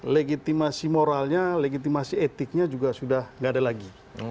legitimasi moralnya legitimasi etiknya juga sudah tidak ada lagi